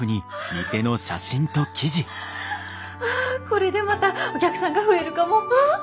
これでまたお客さんが増えるかも。